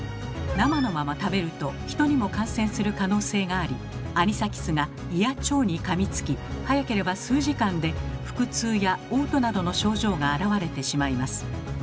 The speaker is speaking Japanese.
生のまま食べるとヒトにも感染する可能性がありアニサキスが胃や腸に噛みつき早ければ数時間で腹痛やおう吐などの症状があらわれてしまいます。